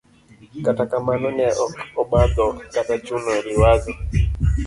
kata kamano ne ok obadho kata chuno Liwazo.